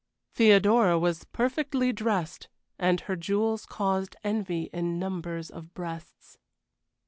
Theodora was perfectly dressed, and her jewels caused envy in numbers of breasts.